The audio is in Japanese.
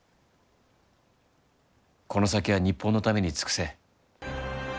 この先は日本のために尽くせ。